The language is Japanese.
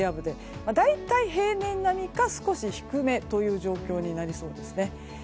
大体、平年並みか少し低めという状況になりそうですね。